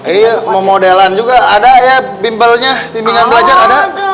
iya mau modelan juga ada ya bimbelnya bimbingan belajar ada